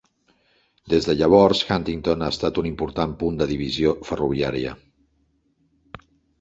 Des de llavors, Huntington ha estat un important punt de divisió ferroviària.